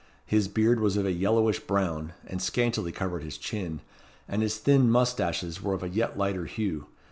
His beard was of a yellowish brown, and scantily covered his chin, and his thin moustaches were of a yet lighter hue.